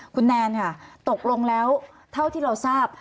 คุณแนนค่ะตกลงแล้วเท่าที่เราทราบ